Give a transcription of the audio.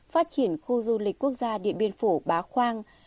phát triển khu du lịch quốc gia điện biên phủ bá khoang